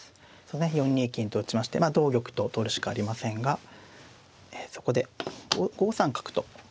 ４二金と打ちまして同玉と取るしかありませんがそこで５三角とはい。